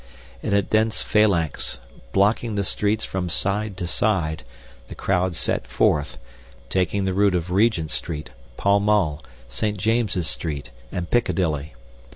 In a dense phalanx, blocking the streets from side to side, the crowd set forth, taking the route of Regent Street, Pall Mall, St. James's Street, and Piccadilly.